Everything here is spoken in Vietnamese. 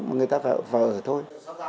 mà người ta phải ở thôi